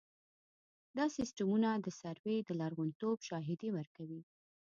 دا سیستمونه د سروې د لرغونتوب شاهدي ورکوي